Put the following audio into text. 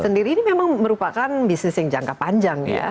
sendiri ini memang merupakan bisnis yang jangka panjang ya